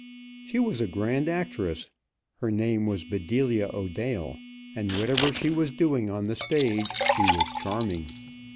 She was a grand actress. Her name was Bedelia O'Dale; and, whatever she was doing on the stage, she was charming.